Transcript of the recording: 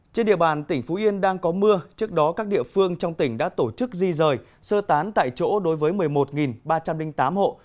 trên địa bàn tỉnh phú yên đang có mưa trước đó các địa phương trong tỉnh đã tổ chức di rời sơ tán tại chỗ đối với một mươi một ba trăm linh tám hộ